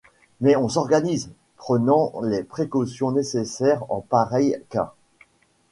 Mais on s'organise, prenant les précautions nécessaires en pareil cas.